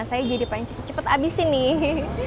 saya jadi pengen cepet cepet abisin nih